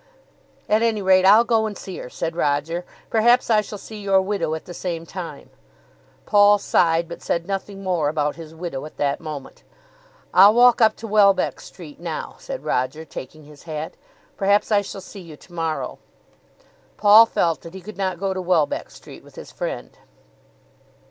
"At any rate I'll go and see her," said Roger. "Perhaps I shall see your widow at the same time." Paul sighed, but said nothing more about his widow at that moment. "I'll walk up to Welbeck Street now," said Roger, taking his hat. "Perhaps I shall see you to morrow." Paul felt that he could not go to Welbeck Street with his friend.